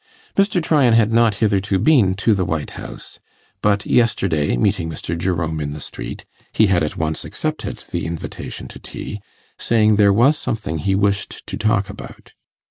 Mr. Tryan had not hitherto been to the White House, but yesterday, meeting Mr. Jerome in the street, he had at once accepted the invitation to tea, saying there was something he wished to talk about.